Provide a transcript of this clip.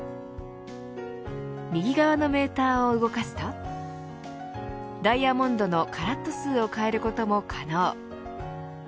右側のメーターを動かすとダイヤモンドのカラット数を変えることも可能。